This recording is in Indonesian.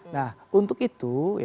nah untuk itu